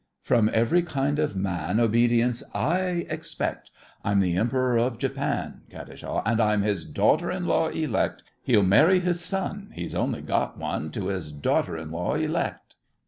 From every kind of man Obedience I expect; I'm the Emperor of Japan— KAT. And I'm his daughter in law elect! He'll marry his son (He's only got one) To his daughter in law elect!